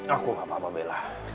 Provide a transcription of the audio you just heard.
aku gak apa apa membela